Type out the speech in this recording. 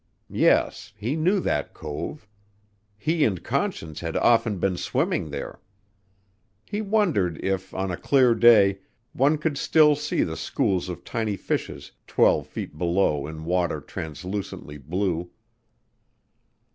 Yes, he knew that cove. He and Conscience had often been swimming there. He wondered if, on a clear day, one could still see the schools of tiny fishes twelve feet below in water translucently blue.